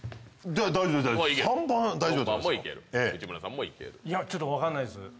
大丈夫です。